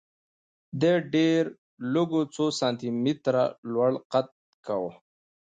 دې ډېرو لږو څو سانتي متره لوړ قد کاوه